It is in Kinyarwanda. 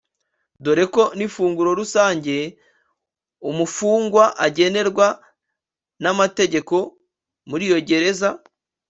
dore ko n’ ifunguro rusange umufungwa agenerwa n’ amategeko muri iyo Gereza